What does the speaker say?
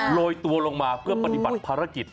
โรยตัวลงมาเพื่อปฏิบัติภารกิจ